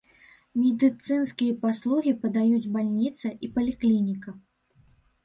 Медыцынскія паслугі падаюць бальніца і паліклініка.